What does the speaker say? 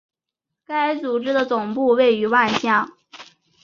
该组织的总部位于万象。